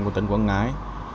của tỉnh quảng ngãi